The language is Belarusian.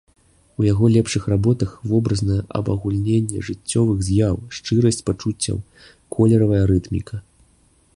У яго лепшых работах вобразнае абагульненне жыццёвых з'яў, шчырасць пачуццяў, колеравая рытміка.